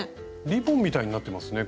リボンみたいになってますね